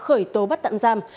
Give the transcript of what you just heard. khởi tố bắt tạm giam